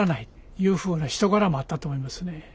いうふうな人柄もあったと思いますね。